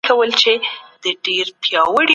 تلواره مه کوئ.